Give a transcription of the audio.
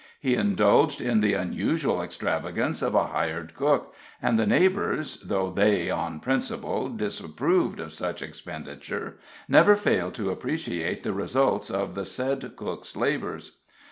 He indulged in the unusual extravagance of a hired cook; and the neighbors, though they, on principle, disapproved of such expenditure, never failed to appreciate the results of the said cook's labors.